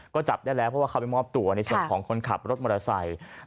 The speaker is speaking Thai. ก็จับได้แล้วเพราะว่าเขาไปมอบตัวในส่วนของคนขับรถมอเตอร์ไซค์